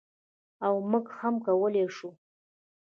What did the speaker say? او موږ هم کولی شو.